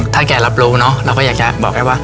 ถ้าแกรับรู้เนอะเราก็อยากจะบอกแกว่า